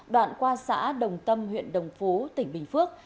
đoạn qua xã đồng tâm huyện đồng phú tỉnh bình phước